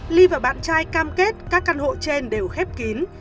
ly và bạn trai cam kết các căn hộ trên đều khép kín